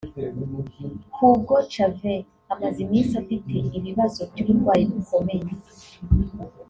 Hugo Chavez amaze iminsi afite ibibazo by’uburwayi bikomeye